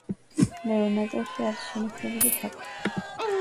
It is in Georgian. მეორე ნაწილში არის შენიშვნები და თარგმანები.